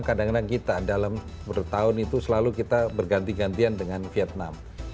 kadang kadang kita dalam bertahun itu selalu kita berganti gantian dengan vietnam